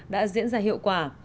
đã diễn ra hiệu quả